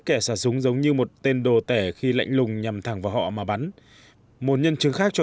kẻ xả súng giống như một tên đồ tẻ khi lạnh lùng nhằm thẳng vào họ mà bắn một nhân chứng khác cho